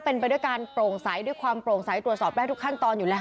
เป็นไปด้วยการโปร่งใสด้วยความโปร่งใสตรวจสอบได้ทุกขั้นตอนอยู่แล้ว